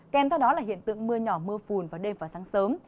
kèm theo đó là hiện tượng mưa nhỏ mưa phùn vào đêm và sáng sớm